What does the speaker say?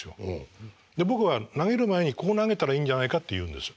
僕は投げる前にこう投げたらいいんじゃないかって言うんです。